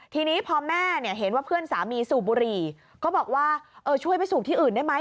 ทีนี้พอแม่เนี่ยเห็นว่าเพื่อนสามีสูบบุหรี่ก็บอกว่าช่วยไปสูบที่อื่นได้ไหม